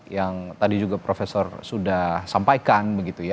yang tadi juga profesor sudah sampaikan